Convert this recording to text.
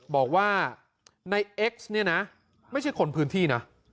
บอกว่าในเอ็กซ์เนี่ยนะไม่ใช่คนพื้นที่นะ